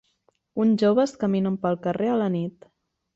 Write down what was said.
Uns joves caminen pel carrer a la nit.